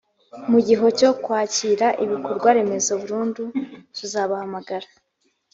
mu gihe cyo kwakira ibikorwaremezo burundu tuzabahamagara